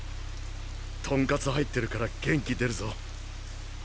トンカツ入ってるから元気出るぞ。